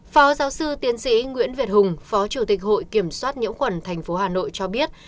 phó giáo sư tiến sĩ nguyễn việt hùng phó chủ tịch hội kiểm soát nhiễm khuẩn tp hà nội cho biết